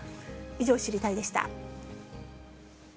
以上、知りたいッ！でした。